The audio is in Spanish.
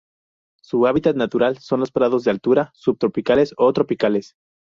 Su hábitat natural son los prados de altura subtropicales o tropicales.